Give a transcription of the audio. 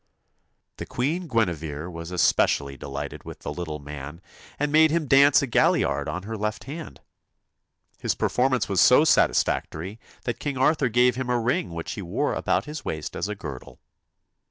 The queen Gueniver was especially delighted with the little man, and made him dance a galliard on her left hand. His performance was so satis factory that King Arthur gave him a ring which he wore about his waist as a girdle.